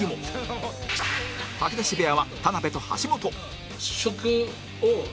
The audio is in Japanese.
吐き出し部屋は田辺と橋本